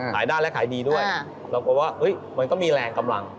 ขายได้และขายดีด้วยเราก็ว่ามันก็มีแรงกำลัง